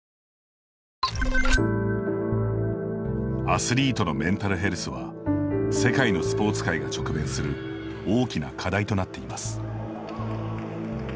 アスリートのメンタルヘルスは世界のスポーツ界が直面する大きな課題となっています。